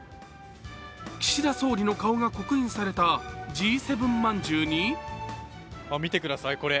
岸田総理の顔が刻印されたＧ７饅頭に見てください、これ。